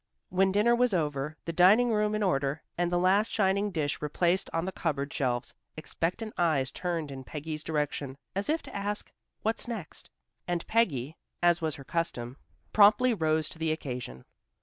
When dinner was over, the dining room in order, and the last shining dish replaced on the cupboard shelves, expectant eyes turned in Peggy's direction, as if to ask "What next?" And Peggy, as was her custom, promptly rose to the occasion.